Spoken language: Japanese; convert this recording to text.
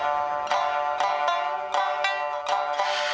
はあ。